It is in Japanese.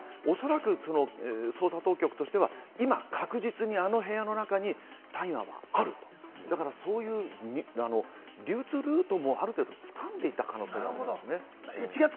使用とは違って、ですから、おそらく捜査当局としては、今、確実にあの部屋の中に大麻はある、そういう流通ルートもある程度、掴んでいた可能性がありますね。